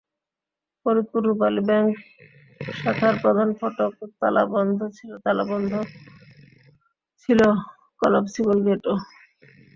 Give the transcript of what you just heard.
Faridpur Rupali bank শাখার প্রধান ফটক তালাবদ্ধ ছিল, তালাবদ্ধ ছিল কলাপসিবল গেটও।